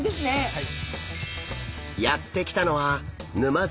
はい！